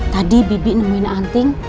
tadi bibi nemuin anting